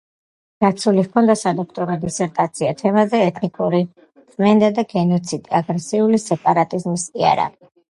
დაცული ჰქონდა სადოქტორო დისერტაცია თემაზე „ეთნიკური წმენდა და გენოციდი აგრესიული სეპარატიზმის იარაღი“.